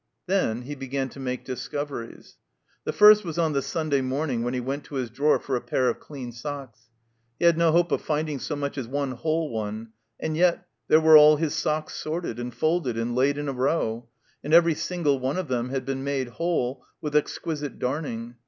Then he began to make discoveries. The first was on the Sunday morning when he went to his drawer for a pair of dean socks. He had no hope of finding so much as one whole one. And yet, there were all his socks sorted, and folded, and laid in a row; and every single one of them had been made whole with exquisite darning.